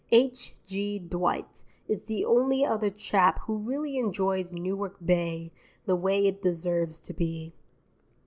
H.G. Dwight is the only other chap who really enjoys Newark Bay the way it deserves to be.